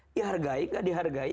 dihargai nggak dihargai